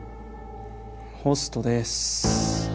ホストです。